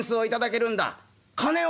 「金を？